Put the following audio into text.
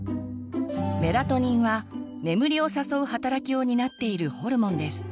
メラトニンは眠りを誘う働きを担っているホルモンです。